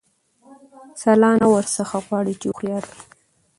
سلا نه ورڅخه غواړي چي هوښیار وي